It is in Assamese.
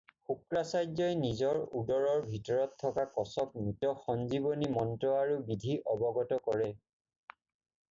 শুক্ৰাচাৰ্য্যই নিজৰ উদৰৰ ভিতৰত থকা কচক মৃত-সঞ্জীৱনী মন্ত্ৰ আৰু বিধি অৱগত কৰে।